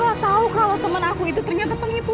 mas aku gak tau kalau temen aku itu ternyata penipu